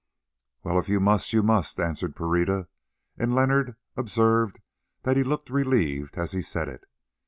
"Well, if you must, you must," answered Pereira, and Leonard observed that he looked relieved as he said it.